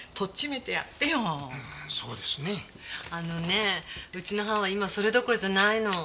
あのねえうちの班は今それどころじゃないの。